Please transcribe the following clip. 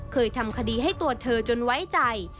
เคยทำคดีให้ตัวเธอจนไว้ใจ